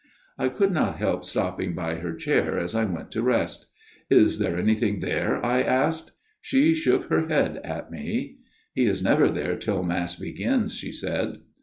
" I could not help stopping by her chair as I went to rest. "' Is there anything there ?' I asked. " She shook her head at me. 148 A MIRROR OF SHALOTT " l He is never there till Mass begins/ she said.